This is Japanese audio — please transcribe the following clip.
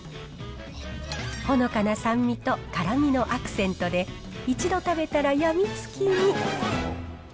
ほのかな酸味と辛みのアクセントで、一度食べたら病みつきに。